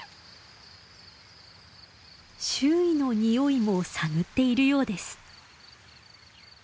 周囲の匂いも探っているようです。